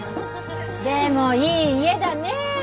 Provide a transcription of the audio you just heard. でもいい家だねえ。